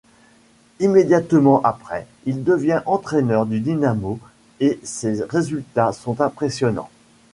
Immédiatement après, il devient entraîneur du Dynamo et ses résultats sont impressionnants.